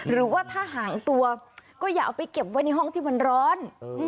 หรือว่าถ้าห่างตัวก็อย่าเอาไปเก็บไว้ในห้องที่มันร้อน